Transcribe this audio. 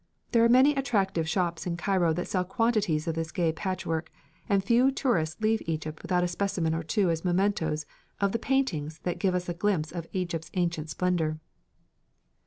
There are many attractive shops in Cairo that sell quantities of this gay patchwork, and few tourists leave Egypt without a specimen or two as mementoes of the paintings that give us a glimpse of Egypt's ancient splendour.